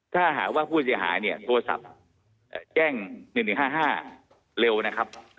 ถ้าหากว่าผู้เสียหายเนี่ยโทรศัพท์แจ้ง๑๑๕๕เร็วนะครับ